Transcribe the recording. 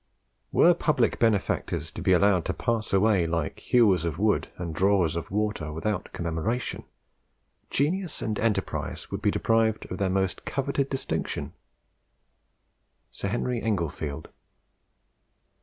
"Were public benefactors to be allowed to pass away, like hewers of wood and drawers of water, without commemoration, genius and enterprise would be deprived of their most coveted distinction." Sir Henry Englefield.